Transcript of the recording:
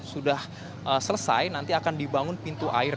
sudah selesai nanti akan dibangun pintu air